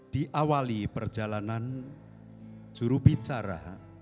diawali perjalanan jurubicara